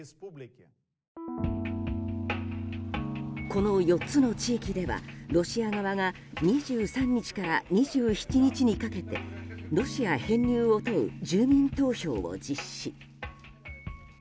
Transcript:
この４つの地域ではロシア側が２３日から２７日にかけてロシア編入を問う住民投票を実施。